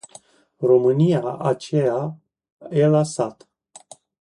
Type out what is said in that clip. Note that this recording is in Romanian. România aceea e la sat.